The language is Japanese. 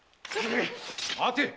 待て！